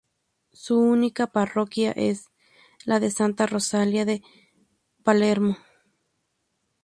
Su única parroquia es la de Santa Rosalía de Palermo.